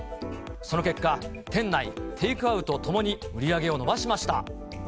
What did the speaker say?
その結果、店内、テイクアウトともに売り上げを伸ばしました。